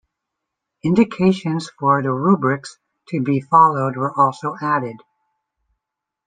Indications of the rubrics to be followed were also added.